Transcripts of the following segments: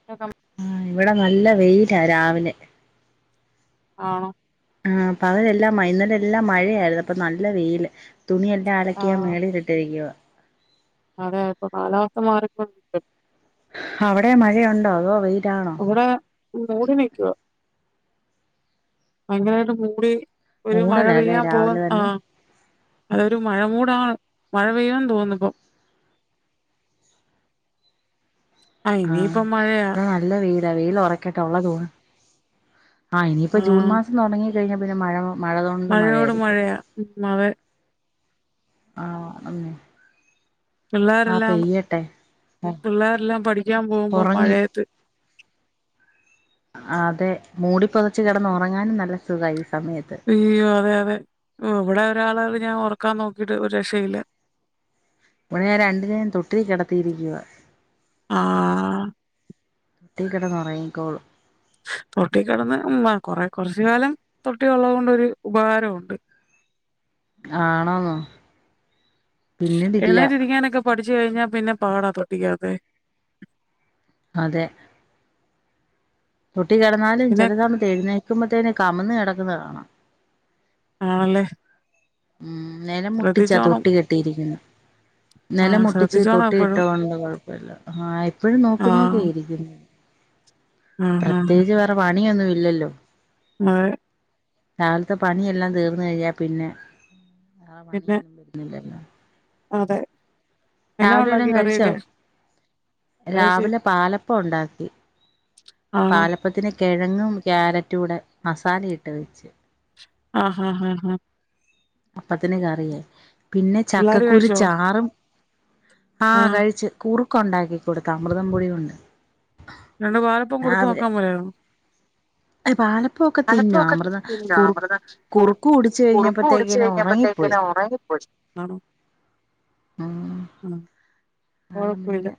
[inaudible] ആഹ്.. ഇവടെ നല്ല വെയിലാരാവിലെ ആണോ ആഹ്, പകലെല്ലാം വൈന്നേരെല്ലാം മഴയായിരുന്നു. ന്നപ്പൊ നല്ല വെയില് തുണിയെല്ലാം അലക്കി ഞാൻ മേളിൽ ഇട്ടിരിക്കുവാ അതെയിപ്പൊ കാലാവസ്ഥ മാറിക്കൊണ്ടിരിക്കല്ലേ അവടെ മഴയുണ്ടോ അതോ വെയിലാണോ വിടെ മൂടിനിക്കുവാ ഭയങ്കരായിട്ട് മൂടി ഒരു മഴ മൂടലല്ലേ രാവിലെ പെയ്യാൻപോവുന് തന്നെ ആഹ്‌.. അതൊരു മഴമൂടാ മഴ പെയ്യൂന്ന് തോന്നുന്നിപ്പോ ആഹ് ഇനിയിപ്പം മഴയാ ഇവിടെ നല്ല വെയിലാ, വെയിൽ ഒറക്കട്ടെ ഉള്ള തു ആഹ് ഇനിയിപ്പോ ജൂൺ ആഹ് മാസം തൊടങ്ങി കഴിഞ്ഞാ പിന്നെ മഴ മഴ കൊണ്ട് മഴയോട് മഴയായിരിക്കും മഴയാ ഉം അതെ ആഹ് അങ്ങനെ പിള്ളേരെല്ലാം പിള്ളേരെല്ലാം പഠിക്കാൻ പോവുമ്പോ ഉറങ്ങി മഴയത്ത് അതെ മൂടിപ്പൊതച്ചു കെടന്നൊറങ്ങാനും നല്ല സുഖാ ഈ സമയത്ത് ഇയ്യോ അതെ അതെ. ഇവിടെ ഒരാളെ ഞാൻ ഉറക്കാൻ നോക്കിട്ട് ഒരു രക്ഷയില്ല ഇവിടെ രണ്ടിനേയും തൊട്ടിലി കെടത്തിയിരിക്കുവ ആഹ് തൊട്ടി കിടന്ന്റങ്ങിക്കോളും തൊട്ടി കിടന്ന് ഉം കൊറെ കൊർച്ച് കാലം തൊട്ടി ഉള്ളത് കൊണ്ട് ഒരു ഉപകാരമുണ്ട് ആണോന്നോ പിന്നീടില്ല എഴുന്നേറ്റിരിക്കാനൊക്കെ പഠിച്ചു കഴിഞ്ഞാൽ പിന്നെ പാടാ തൊട്ടിക്കകത്ത് അതെ തൊട്ടി കെടന്നാലും പിന്നെ ചെല സമയത്തെഴുന്നേക്കുമ്പഴത്തേനും കമിഴ്ന്ന് കിടക്കുന്ന കാണാം ആണല്ലേ ഉം നെലം മുട്ടിച്ചാ ശ്രദ്ധിച്ചോണം. തൊട്ടി കെട്ടിയിരിക്കുന്നെ നില ആഹ് മുട്ടിച്ച് ശ്രദ്ധിച്ചോണം തൊട്ടി എപ്പഴും. ഇട്ടതോണ്ട് കുഴപ്പമില്ല ആഹ് എപ്പോഴും നോക്കി ആഹ്. നോക്കിയിരിക്കുന്നു ആഹ് ആഹ്. പ്രത്യേകിച്ച് വേറെ പണിയൊന്നും ഇല്ലല്ലോ മഴെ കാലത്തെ പണിയെല്ലാം തീർന്ന് കഴിഞ്ഞാ പിന്നെ വേളെ പിന്നെ പണിയൊന്നും വരുന്നില്ലല്ലോ അതെ എന്നാ രാവിലെ വല്ലോം ഉണ്ടാക്കി കഴിച്ചോ? കറിയൊക്കെ? കഴിച്ച് രാവിലെ പാലപ്പവുണ്ടാക്കി ആണോ? പാലപ് പ്പത്തിന് കെഴങ്ങും ക്യാരറ്റൂടെ മസാല ഇട്ട് വെച്ച് ആഹ് ഹാഹാഹാ അപ്പത്തിന് കറിയായി. പിന്നെ പിള്ളാര് ചക്കക്കുരു കഴിച്ചോ? ചാറും, ആഹ് കഴിച്ച് കുറുക്കുണ്ടാക്കി കൊടുത്തമൃതംപൊടി കൊണ്ട് രണ്ടു പാലപ്പം കൊടുത്ത് നോക്കാൻ പോലായോ [inaudible] അ പാലപ്പൊക്കെ തിന്നു അമൃത തിന്നാ കുറു അമൃതം കുറു കുറുക്ക കുടിച്ച് കഴിഞ്ഞപ്പോത്തേക്ക്‌ ഇനെ ഉറങ്ങിപ്പോയി കോച്ചുന്നാണോ ഉം ഉം ആണ് പിന്നെ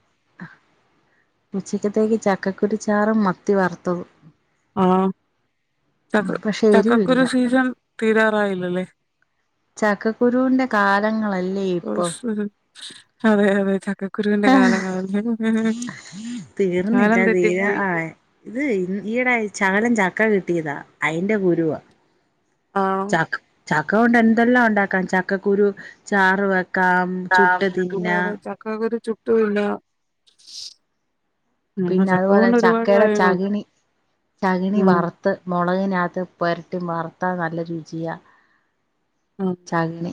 ഉച്ചക്കത്തേക്ക് ചക്കക്കുരു ചാറും മത്തി വറുത്തതും ആഹ് ചക്ക പക്ഷെ എരിവില്ല ചക്കക്കുരു സീസൺ തീരാറായില്ലലേ ചക്കക്കുരൂന്റെ കാലങ്ങളല്ലേ ഇപ്പൊം ഓഹ്. അതെ അതെ ചക്കക്കുരുവിന്റെ കാലങ്ങളല്ലേ തീർന്നില്ല കാലം തെറ്റി തീരാ പ്പോയി ആഹ് ഇത് ഇൻ ഈയിടെയായി ചകലം ചക്ക കിട്ടിയതാ അയിന്റെ കുരുവ ആണോ ചക് ചക്ക കൊണ്ട് എന്തെല്ലാം ഒണ്ടാക്കാം ചക്കക്കുരു ചാറ് വെക്കാം ചുട്ട് ആഹ് തിന്നാം [unintelligible] ചക്കക്കുരു ചുട്ട് തിന്നാം പിന്ന അതു പോലെ ചക്കേട ചകിണി ചകിണി ഉം വറ് ത്ത് മൊളകിനാത്ത് പൊരട്ടി വറുത്താ നല്ല രുചിയാ ഉം ചകിണി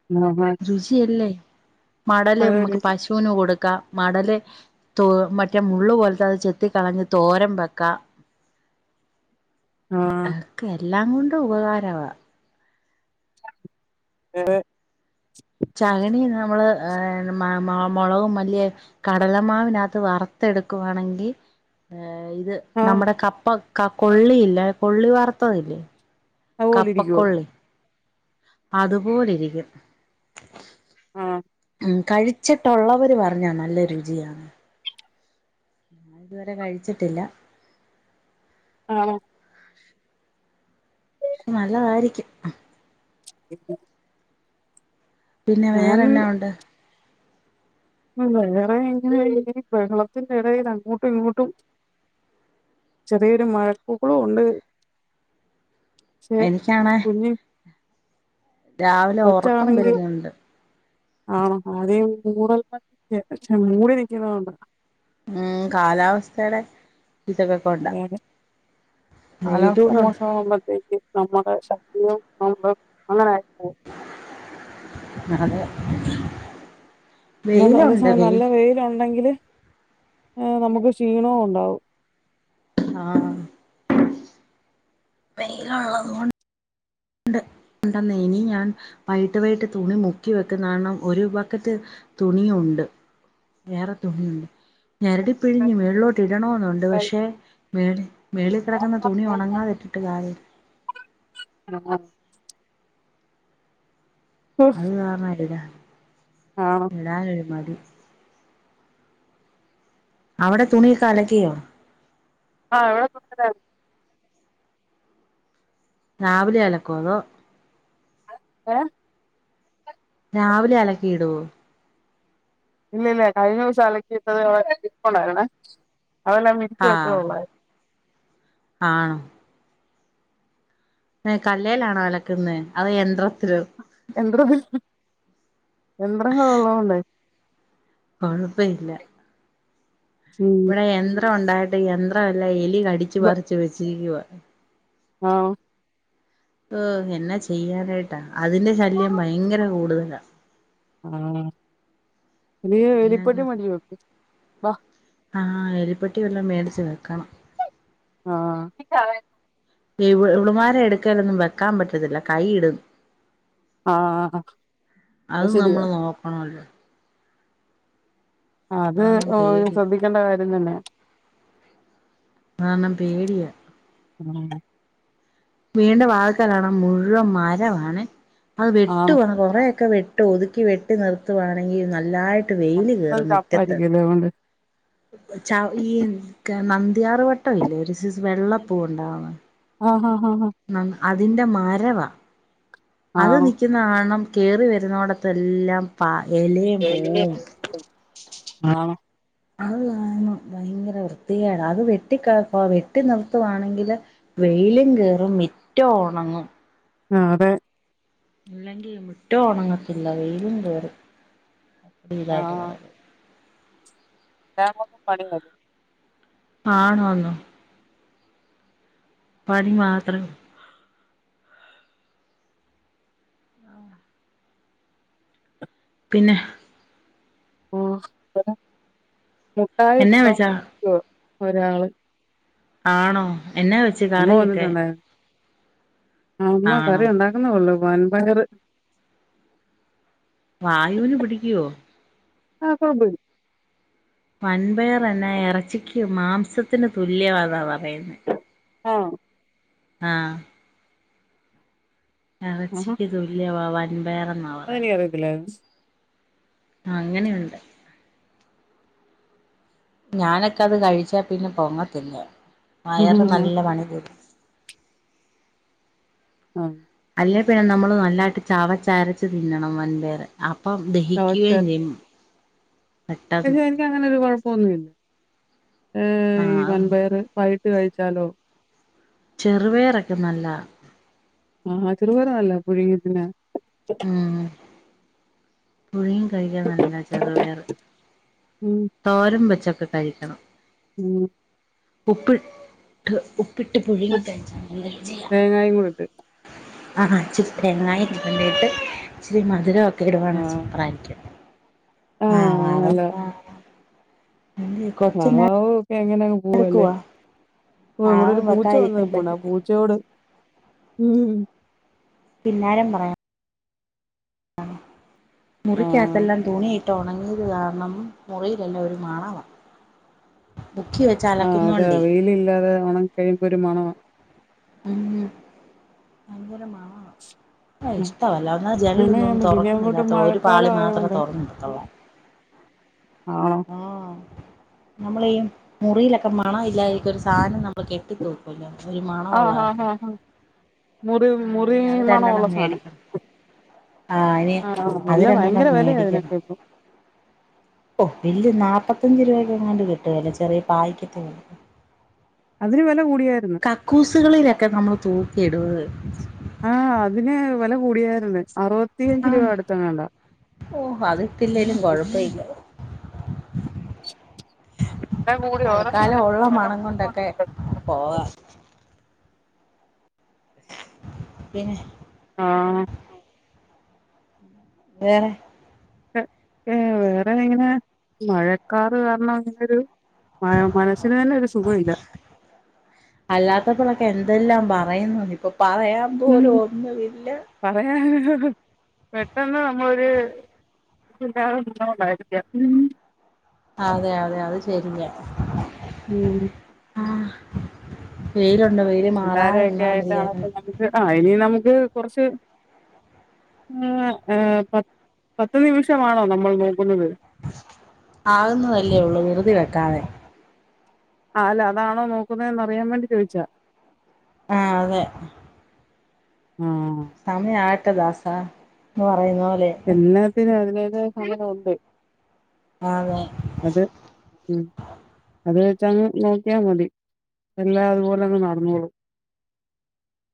[unintelligible] രുചിയല്ലേ മടല് അതെ നമ്മക്ക് രീതി പശുവിന് കൊടുക്കാം മടല് ത്തോ മറ്റേ മുള്ള് പോലത്തെ അത് ചെത്തി കളഞ്ഞ് തോരം വെക്കാ [inaudible] ആഹ് [unintelligible] എല്ലാം കൊണ്ടും ഉപകാരവാ [unintelligible] ചകിണി നമ്മള് ഏഹ് മ മ മൊളകും മല്ലിയെ കടല മാവിനാത്ത് വറുത്ത് എടുക്കുവാണെങ്കി ഏഹ് ഇത് ആഹ് നമ്മടെ കപ്പ ക കൊള്ളിയില്ലേ കൊള്ളി വറുത്തതില്ലേ അതുപോലെ ഇരിക്കുവോ കപ്പക്കൊള്ളി അതു പോലിരിക്കും ആഹ് ഉം കഴിച്ചിട്ടൊള്ളവര് പറഞ്ഞാ നല്ല രുചിയാണ് ഞാൻ ഇതുവരെ കഴിച്ചിട്ടില്ല ആണോ നല്ലതാരിക്കും [unintelligible] പിന്നെ ഞാൻ വേറെഞ്ഞാ ഒണ്ട് ഉം വേറെ ഇങ്ങനെ ഈ ബെഹളത്തിന്റെ എടയിൽ അങ്ങോട്ടും ഇങ്ങോട്ടും ചെറിയൊരു മഴക്കൊളും ഒണ്ട് ക്ഷേ എനിക്കാണേ കുഞ്ഞ് രാവിലെ ഉറക്കം കൊച്ചാണെങ്കി വരുന്നുണ്ട് ആണോ ആദ്യേ മൂടൽ [unintelligible] മൂടി നിക്കുന്നത് കൊണ്ടാ ഉം കാലാവസ്ഥേട ഇതക്ക അതെ അതെ കാലാവസ്ഥ വെയിലൂടെ മോശമാകുമ്പത്തേക്ക് നമ്മുടെ ശരീരം നമ്മള് അങ്ങനെ ആയി പോവും ന്നാല് [unintelligible] അതേ സമയം നല്ല വെയിലൊണ്ടെങ്കില് ഏഹ് നമ്മക്ക് ക്ഷീണവും ഒണ്ടാവും ആഹ് വെയിലൊള്ളത് കൊൺ ണ്ട് ഉണ്ടന്നേ ഇനി ഞാൻ വൈകിട്ട് വൈകിട്ട് തുണി മുക്കി വെക്കുന്ന കാരണം ഒരു ബക്കറ്റ് തുണി ഒണ്ട് വേറെ തുണി ഒണ്ട് ഞെരടി പിഴിഞ്ഞ് മേളിലോട്ട് ഇടണോന്നു ഒൻ ണ്ട് പക്ഷേ മേളി മേളിൽ കെടക്കുന്ന തുണി ഒണങ്ങാതെ ഇട്ടിട്ട് കാര്യ [unintelligible] അത് കാരണം ഇടൂല ആണോ ഇടാനൊരു മടി അവിടെ തുണീക്കെ അലക്കിയോ ആഹ് ഇവിടെ [unintelligible] രാവിലെ അലക്കോ അതൊ അത് ഏഹ് രാവിലെ അലക്കി ഇടോ ഇല്ല ഇല്ല കഴിഞ്ഞ ദിവസം അലക്കിയിട്ടത് അവ്ടെ ഇരിപ്പൊണ്ടായിരുന്നേ അതെല്ലാം വിരിച്ച് വെച്ചതേ ഒള്ളാർ ആ ഏ കല്ലലാണോ അലക്കുന്നത് അതോ യന്ത്രത്തിലും യന്ത്രം യന്ത്രം കള്ള കൊണ്ടയി കുഴപ്പ ഇല്ല ഉം ഇവിടെ യന്ത്രം ഉണ്ടായിട്ട് യന്ത്രം എല്ലാം എലി കടിച്ചു ബ പററിച്ച് വെച്ചിരിക്കവാ ആഹ് എന്നെ ചെയ്യാനായിട്ടാ അതിന്റെ ശല്യം ഭയങ്കര കൂടുതലാ ആഹ് ഇ വലിപ്പട്ടി പിന്നങ്ങ് മേട വോക്ക് ആഹ് എലിപ്പൊട്ടിെല്ലാം മേടിച്ച് വെക്കണം ആഹ് ഇളുമാരെ എടുക്കലൊന്നും വെക്കാൻ പറ്റത്തില്ല കൈ ഇടും ആഹ് അത് നമ്മള് നോക്കണല്ലേ അത് കാരണം പേടിയാ ശ്രദ്ധിക്കേണ്ട കാര്യം തന്നെയ നന്ന പേടിയ വീട്ടിന്റെ വാതിക്കലാണ് മുഴുവൻ മരമാണെ, അത് വെട്ട് ആണോ വ കൊറെക്കെ വെ ഒതുക്കി വെട്ടി നിർത്തുവാണെങ്കിൽ നല്ലായിട്ട് വെയിൽ കയറും മുറ്റത്ത്. ദേ കൊണ്ട്. ഈ നന്ദ്യയാർ വട്ടം ഇല്ലേ ഒരു സൈസ് വെള്ളപ്പൂവ് ഉണ്ടാവാണ്. ആഹ് അതിന്റെ മരവാ അത് ആണോ നിൽക്കുന്ന കാണണം. കേറി വരുന്നോടത്ത് എല്ലാം. പകല്. ആഹ്. അത് കാണുമ്പോ ഭയങ്കര വൃത്തി കേടാ അത് വെട്ടി നിർത്തുവാണെങ്കില്. വെയിലും കേറും മിറ്റം ഉണങ്ങും. ആ അതെ. ഇല്ലെങ്കിൽ മുറ്റോ ഉണങ്ങത്തില്ല. വെയിലും കേയറും അടി ഇതായിട്ട് വരത്. ഇതാവുമ്പോ പ്പം പണി കഴിയും ആണോന്നോ. പണി മാത്രം. പിന്നെ. എന്നാ വെച്ചാ [unintelligible] ആണോ എന്നാ പ അമ്മ വന്നിട്ടുണ്ടായിരുന്നു. അമ്മ ആണോ കറി ഉണ്ടാക്കുന്നെള്ളു വൻപയറ്. വായുവിന് പിടിക്കുവോ. ആ കുഴപ്പില്ല. വൻപയർ എന്നാ ഇറച്ചിക്ക് മാംസത്തിന് തുല്യമാ എന്ന് പറയുന്നെ. ആഹ്. ആഹ്. ഇറച്ചിക്ക് തുല്യവാ വൻ പയറെന്നാ. അങ്ങനെ പറയത്തില്ലെ. ആ അങ്ങനെയുണ്ട്. ഞാനൊക്കെ അത് കഴിച്ചാ പിന്നെ പൊങ്ങത്തില്ല. വയറ് നല്ല പണി തരും. ആഹ്. അല്ലേ പിന്നെ നമ്മള് നല്ലായിട്ട് ചാവച്ചരച്ച് തിന്നണം വൻപയറ്. അപ്പം ദഹിക്കുകയും ചവച്ചരി ചെയ്യും. പെട്ടെന്ന് പക്ഷെ എനിക്ക് അങ്ങനെ ഒരു കുഴപ്പൊന്നുമില്ല. ഏ ഈ ആഹ് വൻപയറ് വേ വിച്ച് കഴിച്ചാലോ. ചെറുപയറൊക്കെ നല്ലാ. ആഹ് ചെറുപയറ് നല്ലാ പുഴുങ്ങി തിന്നാൻ. ഉം പുഴുങ്ങി കഴിക്കാൻ നല്ലാ ചെറുപയറ്. ഉം തോരൻ വെച്ചൊക്കെ കയി ക്കണം. ഉം ഉപ്പി ട്ട് ഉപ്പിട്ട് പുഴുങ്ങി കയി ച്ചാൽ നല്ല രുചിയാ. തേങ്ങായും കൂടിട്ട് ആഹ് ഇച്ചിരി തേങ്ങായി ചെരണ്ടിയിട്ട് ഇച്ചിരി മധുര ഇടുവാണെ ആഹ് സൂപ്പറായിട്ടുണ്ട്. [unintelligible] ആഹ് നല്ലതാ. [unintelligible] വാവാ വു ക്കെ എങ്ങനെ പോവല്ല എടുക്കുവാ ഓ ഇവിടെ പാവം ഒരു പൂച്ച വന്ന് വെക്കാതിരിക്കാൻ നിപ്പുണ്ട് ആ പൂ പറ്റത്തില്ല ച്ചോട് ഉം. കിന്നാരം പറയാം. ആഹ് മുറിക്കകത്തെല്ലാം തുണിയിട്ട് ഉണങ്ങിയത് കാരണം മുറിയിലെല്ലാം ഒരു മണമാ. ഖ്യെച്ചാര [unintelligible] ആഹ് അതാ വെയിലില്ലാതെ ഒണങ്ങി കഴിയുമ്പൊ ഒരു മണവ അ അങ്കരമാ [unintelligible] ആ ഇഷ്ടമല്ല എന്നാൽ അങ്ങനെ ജല്ലൊന്നും ചെയ്യാൻ പറ്റും ഇനി അങ്ങോട്ട് തുറക്കുന്നില്ലാത്ത ഒരു മഴക്കാലം പാളി മാത്രമ ആയോണ്ട് തുറന്ന കൊടുത്തുള്ളൂ ആഹ ആ നമ്മളീ മുറിയിലൊക്കെ മണം ഇല്ലാതിരിക്കാൻ ഒരു സാനം നമ്മൾ കെട്ടി ഇചിരി മണ ആഹ് ആഹ് ഉള്ളതക്കെ ആഹ് ആഹ് മുറി ആഹ മുറി ഇനി അത് ര മണമുള്ള ണ്ടണം സാനം മേടിക്കണം ആ ഇനി ആഹ് ആഹ് അത് വെല രണ്ടെണ്ണം ഭയങ്കര വെലയാ മേടിക്കണം അതിനൊക്കെ ഇപ്പൊ ഓബില്ല് നാല്പ്പത്തഞ്ച് രൂപയ്ക്കെ എങ്ങാണ്ട് കിട്ടുവല്ലെ ചെറിയ പായ് [unintelligible] അതിന് വെല കൂടിയായിരുന്നു കക്കൂസുകളിലൊക്കെ നമ്മള് തൂക്കി ഇടു ആഹ് അതിന് വെല കൂടിയായിരുന്ന് അറുപത്തിയഞ്ച് രൂപ അടുത്തങ്ങാണ്ട ഓഹോ അത്ത്തില്ലേലും കൊഴപ്പ ഇല്ല വെല കൂടി ഓരോ അത്ക്കാലം ഉള്ള സാധനങ്ങൾക്കും വെല മണം കൂടിക്കൊണ്ട് കൊണ്ടൊക്കെ പോവാ പിന്നെ ആഹ വേറെ ഏ വേറെ ഇങ്ങനെ മഴക്കാറ് കാരണം അങ്ങനെരു മ മന നസ്സിന് തന്നെ ഒരു സുഖ ഇല്ല അല്ലാത്തപ്പോഴൊക്കെ എന്തെല്ലാം പറയുന്നു ഇപ്പൊ പറയാൻ പോലും ഒന്നുവില്ല പറയാന് ഒരു പെട്ടെന്ന് നമ്മൊരു ായിരിക്കയ ഉ [unintelligible] അതെ അതെ അത് ശരിയ ഉം ആ വെയിലുണ്ട് വെയില് മാറാതിരുന്ന മതിയെ ആഹ ഇനി നമുക്ക് കൊറച്ച് ആആ പ പത്ത് നിമിഷമാണോ നമ്മൾ നോക്കുന്നത് ആകുന്നതല്ലേ ഉള്ളൂ ദിറുതി വെക്കാതെ ആഹ അല്ല അതാണോ നോക്കുന്നതന്ന്റിയാൻ വേണ്ടി ചോയിച്ച ആഹ അതെ ആഹ സമയ ആയിട്ടല്ല ദാസ ന്ന് പറയുന്നെലെ എല്ലാത്തിനും അതിൻ്റെതായ സമയം ഉണ്ട് ആതെ അത് ഉം അത് വെച്ച ങ്ങ് നോക്കിയാ മതി എല്ലാം അതുപോലെ ങ്ങ് നടന്നോളും